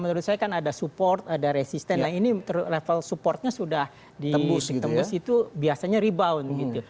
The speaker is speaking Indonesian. menurut saya kan ada support ada resisten nah ini level supportnya sudah ditembus itu biasanya rebound gitu